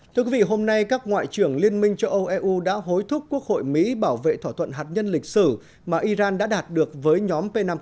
thưa quý vị hôm nay các ngoại trưởng liên minh châu âu eu đã hối thúc quốc hội mỹ bảo vệ thỏa thuận hạt nhân lịch sử mà iran đã đạt được với nhóm p năm